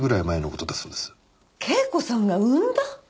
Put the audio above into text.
恵子さんが産んだ？